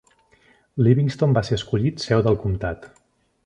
Livingston va ser escollit seu del comtat.